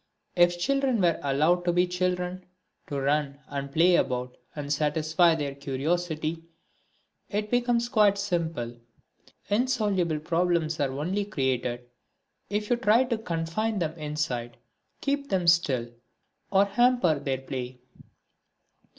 If children are only allowed to be children, to run and play about and satisfy their curiosity, it becomes quite simple. Insoluble problems are only created if you try to confine them inside, keep them still or hamper their play.